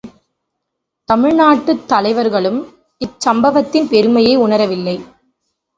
தமிழ்நாட்டுத் தலைவர்களும், இச்சம்பவத்தின் பெருமையை உணரவில்லை.